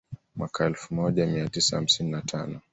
Mwaka elfu moja mia tisa hamsini na tano